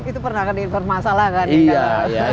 itu pernah di informasi masalah kan ya